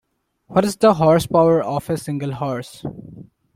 What's the horsepower of a single horse?